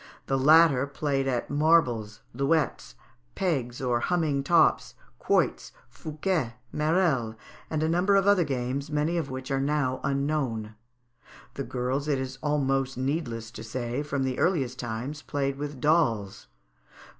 The latter played at marbles, luettes, peg or humming tops, quoits, fouquet, merelles, and a number of other games, many of which are now unknown. The girls, it is almost needless to say, from the earliest times played with dolls.